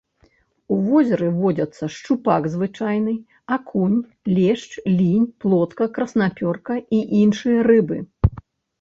У возеры водзяцца шчупак звычайны, акунь, лешч, лінь, плотка, краснапёрка і іншыя рыбы.